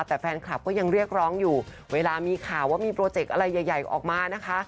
แต่แฟนคลับก็ยังเรียกร้องอยู่เวลามีข่าวว่ามีโปรเจกต์อะไรใหญ่ออกมานะคะ